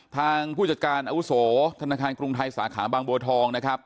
ผู้จัดการอาวุโสธนาคารกรุงไทยสาขาบางบัวทองนะครับ